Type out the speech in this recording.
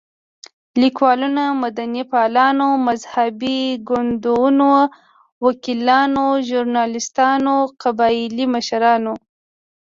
ليکوالانو، مدني فعالانو، مذهبي ګوندونو، وکيلانو، ژورناليستانو، قبايلي مشرانو